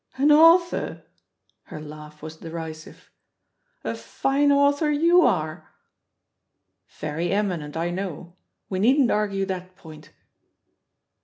An author?" Her laugh was deri sive. "A fine author you are I" "Very eminent, I know! ^e needn't argue that point."